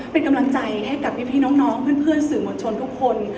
เป็นกำลังใจให้พี่น้องสื่อมวลชนทุกคน